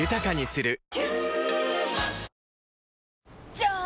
じゃーん！